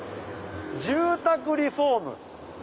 「住宅リフォーム」。